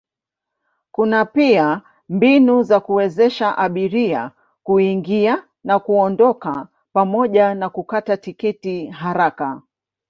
Kuna pia mbinu za kuwezesha abiria kuingia na kuondoka pamoja na kukata tiketi haraka.